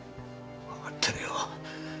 わかってるよ。